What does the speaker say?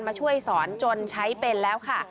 มาช่วยสอนจนใช้เป็นแล้วค่ะ